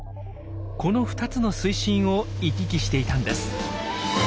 この２つの水深を行き来していたんです。